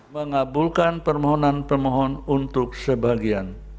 mengabulkan permohonan permohon untuk sebagian